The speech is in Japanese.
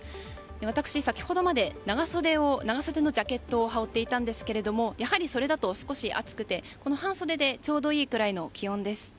私、先ほどまで長袖のジャケットを羽織っていたんですがやはり、それだと少し暑くてこの半袖でちょうどいいくらいの気温です。